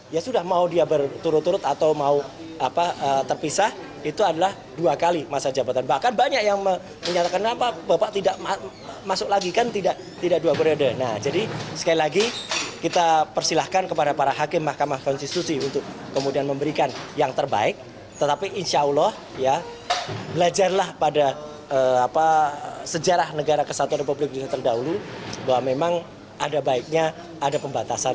ya belajarlah pada sejarah negara kesatuan republik indonesia terdahulu bahwa memang ada baiknya ada pembatasan semacam itu